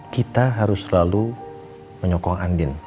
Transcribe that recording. kita harus selalu menyokong andin